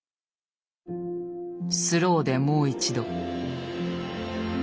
スローでもう一度。